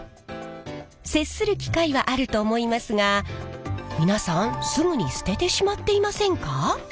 接する機会はあると思いますが皆さんすぐに捨ててしまっていませんか？